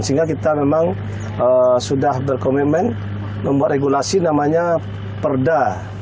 sehingga kita memang sudah berkomitmen membuat regulasi namanya perda